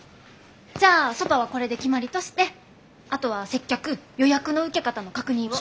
じゃあそばはこれで決まりとしてあとは接客予約の受け方の確認を。